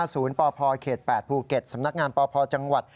ปพเขต๘ภูเก็ตสำนักงานปพจังหวัด